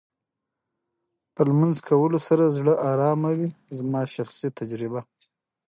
په لمونځ کولو سره زړه ارامه وې زما شخصي تجربه